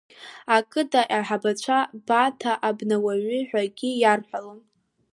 Ақыҭа аиҳабацәа Баҭа Абнауаҩы ҳәагьы иарҳәалон.